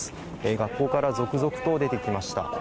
学校から続々と出てきました。